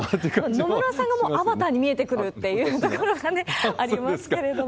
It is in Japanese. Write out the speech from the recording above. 野村さんがアバターに見えてくるっていうところがね、ありますけれども。